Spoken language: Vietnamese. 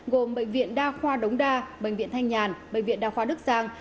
gồm bệnh viện đa khoa đống đa bệnh viện thanh nhàn bệnh viện đa khoa đức giang